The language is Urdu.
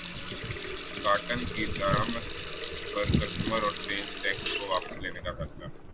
کاٹن کی درمد پر کسٹمز اور سیلز ٹیکس کو واپس لینے کا فیصلہ